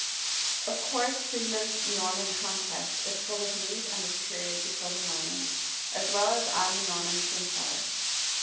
Of course Freeman's "Norman Conquest" is full of meat on this period before the Normans, as well as on the Normans themselves.